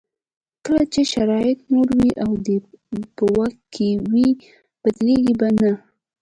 کله چې شرایط نور وي او دی په واک کې وي بدلېږي به نه.